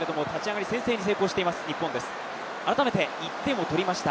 改めて１点を取りました。